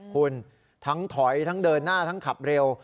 คุณทั้งถอยทั้งเดินหน้าทั้งขับเร็ว